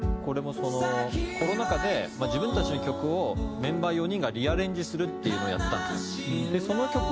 「これもコロナ禍で自分たちの曲をメンバー４人がリアレンジするっていうのをやったんですよ」